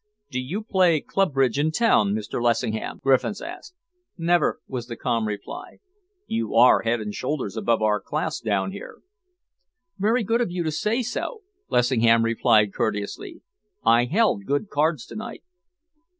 "Do you play club bridge in town, Mr. Lessingham?" Griffiths asked. "Never," was the calm reply. "You are head and shoulders above our class down here." "Very good of you to say so," Lessingham replied courteously. "I held good cards to night."